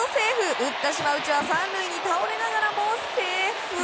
打った島内は３塁に倒れながらもセーフ。